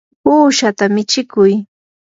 uushata michikuy.